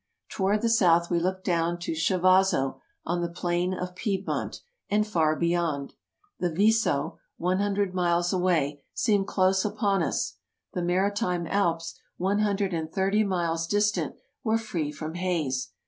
Toward the south we looked down to Chivasso on the plain of Piedmont, and far beyond. The Viso — one hundred miles away — seemed close upon us; the Maritime Alps — one hundred and thirty miles distant — were free from haze.